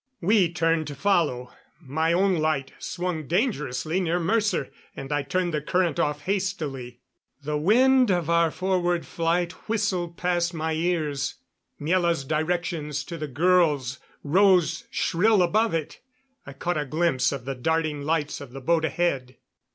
We turned to follow; my own light swung dangerously near Mercer, and I turned the current off hastily. The wind of our forward flight whistled past my ears; Miela's directions to the girls rose shrill above it. I caught a glimpse of the darting lights of the boat ahead.